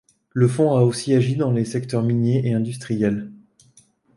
Le fonds a aussi agi dans les secteurs miniers et industriels.